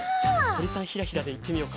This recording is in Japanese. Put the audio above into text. とりさんひらひらでいってみようか。